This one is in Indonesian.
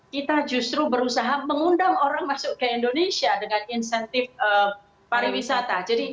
kita justru berusaha mengundang orang masuk ke indonesia dengan insentif pariwisata